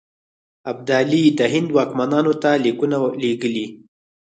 ابدالي د هند واکمنانو ته لیکونه لېږلي.